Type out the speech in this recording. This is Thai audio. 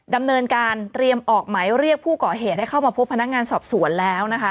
ดำเนินการเตรียมออกหมายเรียกผู้ก่อเหตุให้เข้ามาพบพนักงานสอบสวนแล้วนะคะ